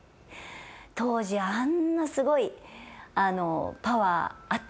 当時あんなすごいパワーあったんだと。